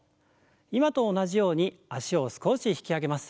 今と同じように脚を少し引き上げます。